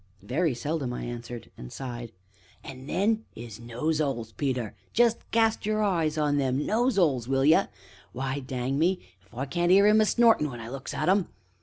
"Very seldom!" I answered, and sighed. "An' then 'is nose 'oles, Peter, jest cast your eye on them nose'oles, will ye; why, dang me! if I can't 'ear 'im a snortin' when I looks at 'em!